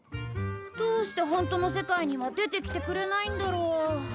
どうして本当の世界には出てきてくれないんだろう？